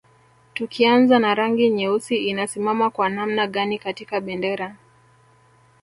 Tukianza na rangi nyeusi inasimama kwa namna gani katika bendera